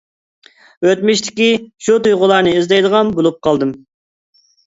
ئۆتمۈشتىكى شۇ تۇيغۇلارنى ئىزدەيدىغان بولۇپ قالدىم.